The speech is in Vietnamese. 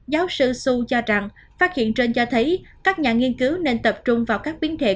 giáo sư su cho rằng phát hiện trên cho thấy các nhà nghiên cứu nên tập trung vào các biến thể